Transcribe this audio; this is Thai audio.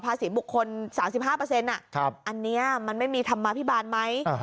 อันนี้มันไม่มีธรรมพิบาลไหม